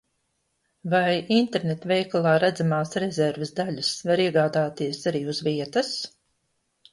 Vai internetveikalā redzamās rezerves daļas var iegādāties arī uz vietas?